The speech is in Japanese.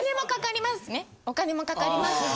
お金もかかりますし。